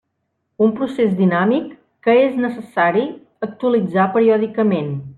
Un procés dinàmic que és necessari actualitzar periòdicament.